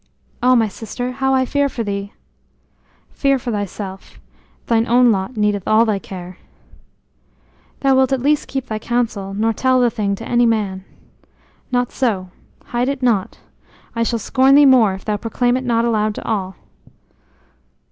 "O my sister, how I fear for thee!" "Fear for thyself. Thine own lot needeth all thy care." "Thou wilt at least keep thy counsel, nor tell the thing to any man." "Not so: hide it not. I shall scorn thee more if thou proclaim it not aloud to all."